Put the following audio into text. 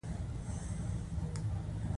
دا فعالیتونه د ولس په منځ کې کاري روحیه پیدا کوي.